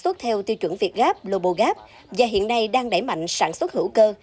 tương ứng theo tiêu chuẩn việt gáp lobo gáp và hiện nay đang đẩy mạnh sản xuất hữu cơ